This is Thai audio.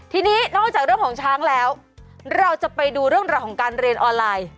ทีนี้นอกจากเรื่องของช้างแล้วเราจะไปดูเรื่องราวของการเรียนออนไลน์